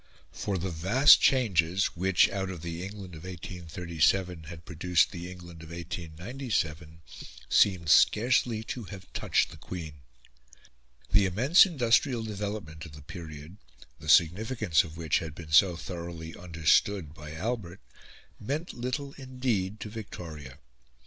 For the vast changes which, out of the England of 1837, had produced the England of 1897, seemed scarcely to have touched the Queen. The immense industrial development of the period, the significance of which had been so thoroughly understood by Albert, meant little indeed to Victoria.